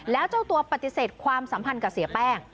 แล้วเจ้าตัวปฏิเสธความสัมพันธ์กับเสียแป้ง